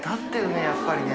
やっぱりね。